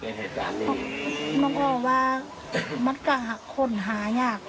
เพราะสิอันนี้เพราะว่ารถที่อย่างมันก็ลงไปได้ส่วนมาก